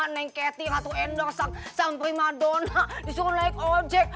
neng kety ratu endor sampri madonna disuruh naik ojek